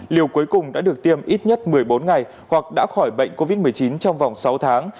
liều cuối cùng đã được tiêm ít nhất một mươi bốn ngày hoặc đã khỏi bệnh covid một mươi chín trong vòng sáu tháng